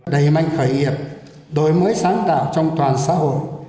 đầy manh khởi nghiệp đổi mới sáng tạo trong toàn xã hội